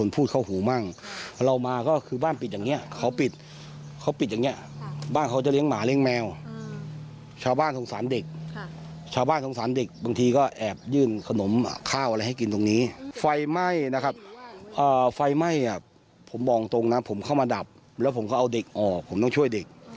ผมไฟไหม้อ่ะผมบอกตรงนะผมเข้ามาดับแล้วผมก็เอาเด็กออกผมต้องช่วยเด็ก